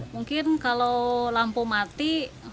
mungkin kalau lampu mati